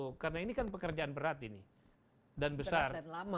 karena ini kan pekerjaan berat dan besar